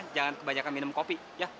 jangan kebanyakan minum kopi